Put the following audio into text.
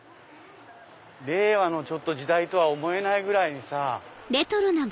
令和の時代とは思えないぐらいにさ